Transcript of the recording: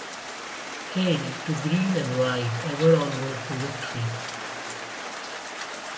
Hail, to green and white, ever onward to victory.